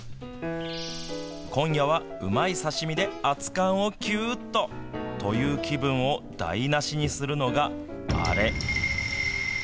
今夜はうまい刺し身で熱かんをきゅーっとという気分を台なしにするのがあれ。